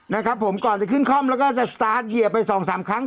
นะครับผมก่อนจะขึ้นคล่อมแล้วก็จะสตาร์ทเหยียบไปสองสามครั้ง